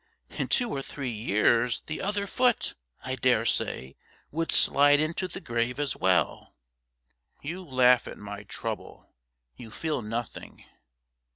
In two or three years the other foot, I dare say, would slide into the grave as well.' 'You laugh at my trouble. You feel nothing.'